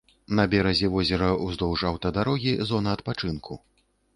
На беразе возера ўздоўж аўтадарогі зона адпачынку.